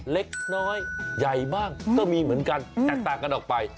เล็กน้อยใหญ่บ้างก็มีเหมือนกันแตกต่างกันออกไป